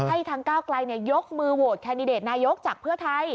ทางก้าวไกลยกมือโหวตแคนดิเดตนายกจากเพื่อไทย